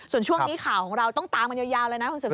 ส่วนช่วงนี้ข่าวของเราต้องตามกันยาวเลยนะคุณสืบส